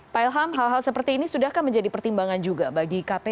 pak ilham hal hal seperti ini sudahkah menjadi pertimbangan juga bagi kpk